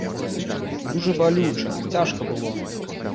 І дужа балюча, цяжка было.